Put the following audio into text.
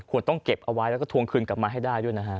ต้องเก็บเอาไว้แล้วก็ทวงคืนกลับมาให้ได้ด้วยนะฮะ